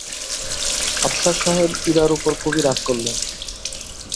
আফসার সাহেব ইরার ওপর খুবই রাগ করলেন।